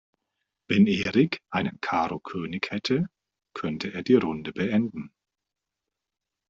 Wenn Erik einen Karo-König hätte, könnte er die Runde beenden.